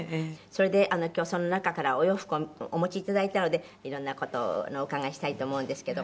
それで今日その中からお洋服をお持ち頂いたので色んな事をお伺いしたいと思うんですけど。